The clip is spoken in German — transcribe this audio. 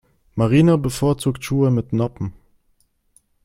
Marina bevorzugt Schuhe mit Noppen.